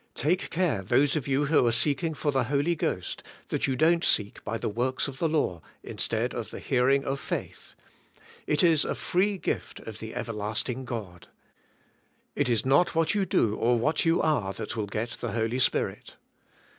Take care, those of you who are seeking* for the Holy Ghost, that you don't seek by the works of the law instead of the hearing of faith. It is a free gift of the everlasting God. It is not what you do or what you are that will get the Holy Spirit.